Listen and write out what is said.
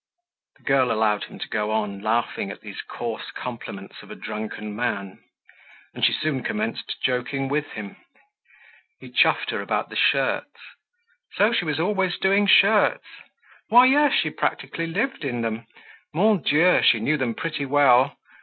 The girl allowed him to go on, laughing at these coarse compliments of a drunken man. And she soon commenced joking with him. He chuffed her about the shirts. So she was always doing shirts? Why yes, she practically lived in them. Mon Dieu! She knew them pretty well.